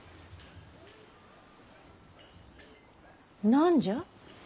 何じゃ？